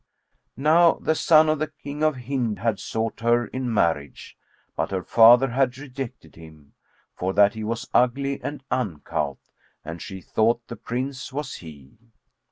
Now the son of the King of Hind had sought her in marriage, but her father had rejected him, for that he was ugly and uncouth, and she thought the Prince was he.